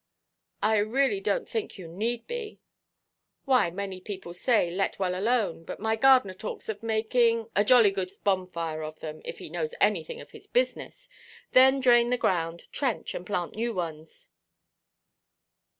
"I really donʼt think you need be." "Why, many people say, 'let well alone;' but my gardener talks of making——" "A jolly good bonfire of them, if he knows anything of his business. Then drain the ground, trench, and plant new ones."